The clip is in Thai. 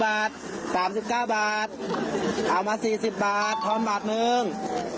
สามสิบเก้าบาทเอามาสี่สิบบาทพร้อมบาทหนึ่ง